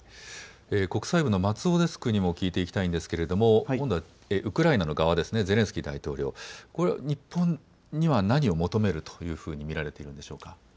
国際部の松尾デスクにも聞いていきたいのですが、ウクライナの側、ゼレンスキー大統領、これは日本には何を求めると見られるんでしょうか。